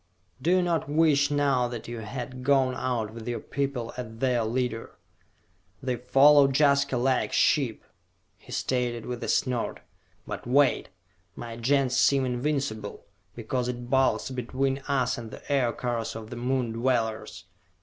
"Do you not wish now that you had gone out with your people as their leader?" "They follow Jaska like sheep," he stated with a snort. "But wait! My Gens seem invincible, because it bulks between us and the Aircars of the Moon Dwellers!